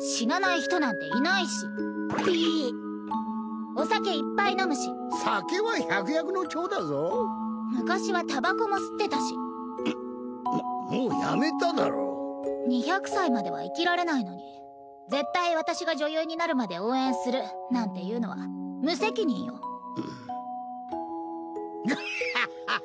死なない人なんていないしお酒いっぱい飲むし酒昔はタバコも吸ってたしうっ。ももうやめただろ２００歳までは生きられないのに絶対私が女優になるまで応援するなんて言うのは無責任よんんがははっ！